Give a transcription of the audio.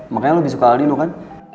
makanya lo lebih suka aldino kan